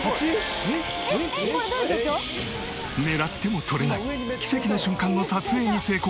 狙っても撮れない奇跡の瞬間の撮影に成功！